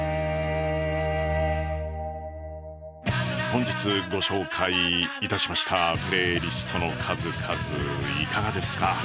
本日ご紹介いたしましたプレイリストの数々いかがですか？